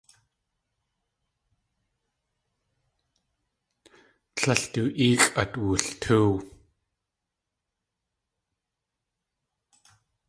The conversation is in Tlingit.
Tlél du éexʼ at wultóow.